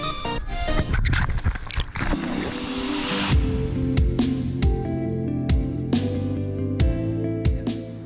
lontaran berasal dari lompatan peluru